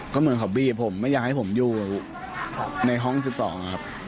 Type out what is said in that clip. ก็เหมือนเขาบีบผมไม่อยากให้ผมอยู่ในห้อง๑๒ครับ